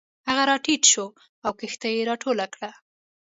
هغه راټیټ شو او کښتۍ یې راټوله کړه.